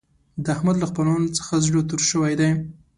د احمد له خپلوانو څخه زړه تور شوی دی.